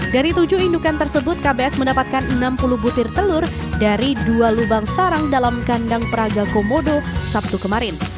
dari tujuh indukan tersebut kbs mendapatkan enam puluh butir telur dari dua lubang sarang dalam kandang peraga komodo sabtu kemarin